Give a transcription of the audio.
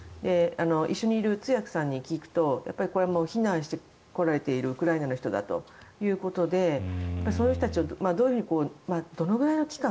一緒にいる通訳さんに聞くとこれは避難してきているウクライナの人だということでそういう人たちをどういうふうにどのぐらいの期間